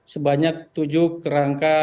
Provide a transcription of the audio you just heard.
sebanyak tujuh kerangka